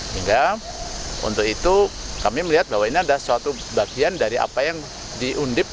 sehingga untuk itu kami melihat bahwa ini adalah suatu bagian dari apa yang diundip